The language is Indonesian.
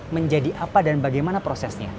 menjadi apa dan bagaimana prosesnya